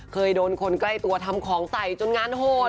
เคยโดนคนใกล้ตัวทำของใส่จนงานโหด